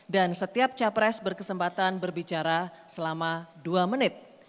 dan setiap capres berkesempatan berbicara selama dua menit